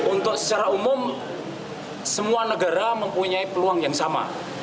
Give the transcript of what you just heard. untuk secara umum semua negara mempunyai peluang yang sama